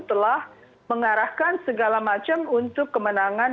telah mengarahkan segala macam untuk kemenangan